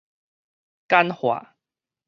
簡化